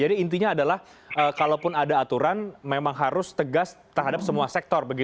jadi intinya adalah kalaupun ada aturan memang harus tegas terhadap semua sektor